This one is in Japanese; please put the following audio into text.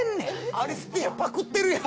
アリステアパクってるやん。